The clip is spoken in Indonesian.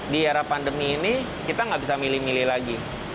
di era pandemi ini kita nggak bisa milih milih lagi